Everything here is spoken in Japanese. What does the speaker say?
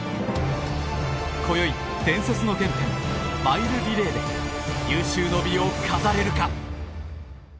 今宵、伝説の原点マイルリレーで有終の美を飾れるか。